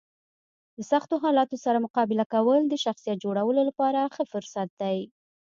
د سختو حالاتو سره مقابله کول د شخصیت جوړولو لپاره ښه فرصت دی.